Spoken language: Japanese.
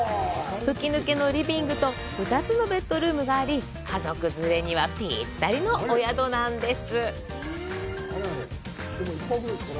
吹き抜けのリビングと２つのベッドルームがあり、家族連れにはぴったりのお宿なんです。